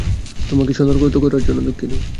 তোমাকে সতর্ক করার জন্য দুঃখিত।